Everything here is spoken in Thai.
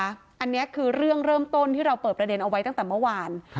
อันนี้คือเรื่องเริ่มต้นที่เราเปิดประเด็นเอาไว้ตั้งแต่เมื่อวาน